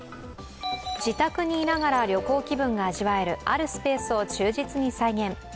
自宅にいながら旅行気分が味わえる、あるスペースを忠実に再現。